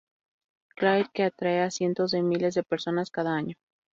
Clair", que atrae a cientos de miles de personas cada año.